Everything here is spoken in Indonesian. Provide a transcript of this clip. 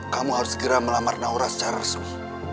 kamu harus segera melamar naura secara resmi